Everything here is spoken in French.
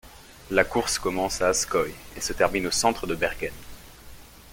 La course commence à Askøy et se termine au centre de Bergen.